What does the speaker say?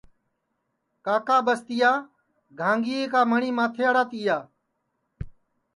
کاکا ٻستِیا گھانٚگِئے کا مٹؔی ماتھیڑا تِیا